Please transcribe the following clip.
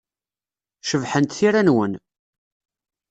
Cebḥent tira-nwen.